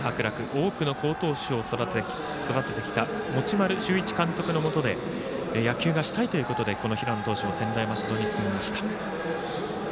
多くの好投手を育ててきた持丸修一監督のもとで野球がしたいということでこの平野投手は専大松戸に進みました。